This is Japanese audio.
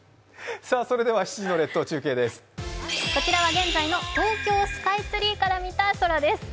現在の東京スカイツリーから見た空です。